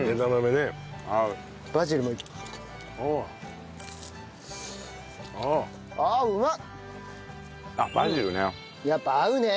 バジルね。